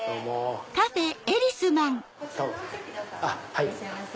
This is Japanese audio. いらっしゃいませ。